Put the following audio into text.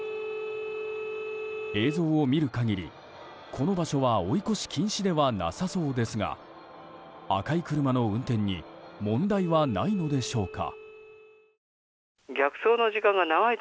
映像を見る限り、この場所は追い越し禁止ではなさそうですが赤い車の運転に問題はないのでしょうか。